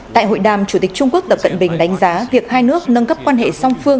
tại hội đàm chủ tịch trung quốc tập cận bình đánh giá việc hai nước nâng cấp quan hệ song phương